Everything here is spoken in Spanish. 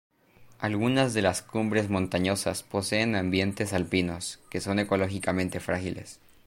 Algunas de las cumbres montañosas poseen ambientes alpinos, que son ecológicamente frágiles.